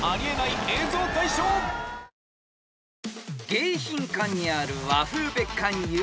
［迎賓館にある和風別館游